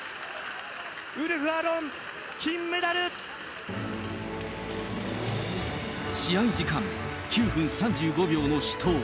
ウルフ・アロン、金メダル！試合時間９分３５秒の死闘。